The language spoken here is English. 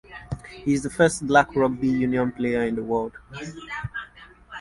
He is the first black rugby union player in the world.